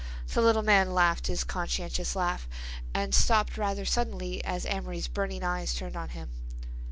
The little man laughed his conscientious laugh, and stopped rather suddenly as Amory's burning eyes turned on him.